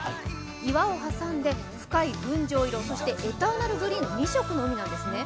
岩を挟んで深い群青色、そしてエターナルグリーンの２色の海なんですね。